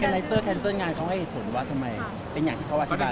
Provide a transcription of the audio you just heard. เป็นอย่างที่เขาอธิบายหรือเปล่า